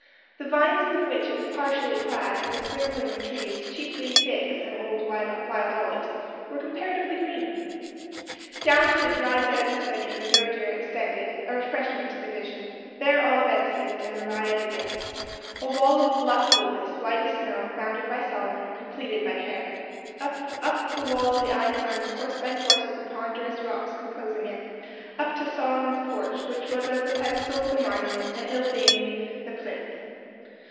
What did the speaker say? The vines with which it was partially clad, and the sprinkling of trees, chiefly figs and old wild olives, were comparatively green. Down to the dry bed of the Cedron the verdure extended, a refreshment to the vision; there Olivet ceased and Moriah began—a wall of bluff boldness, white as snow, founded by Solomon, completed by Herod. Up, up the wall the eye climbed course by course of the ponderous rocks composing it—up to Solomon's Porch, which was as the pedestal of the monument, the hill being the plinth.